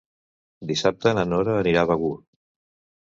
Dissabte na Nora anirà a Begur.